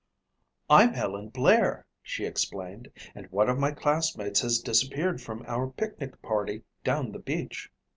"I'm Helen Blair," she explained, "and one of my classmates has disappeared from our picnic party down the beach.